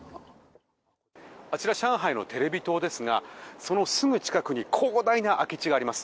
あちら上海のテレビ塔ですがそのすぐ近くに広大な空き地があります。